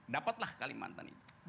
dapatlah kalimantan itu